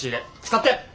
使って！